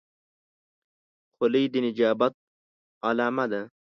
خولۍ د نجابت علامه ده.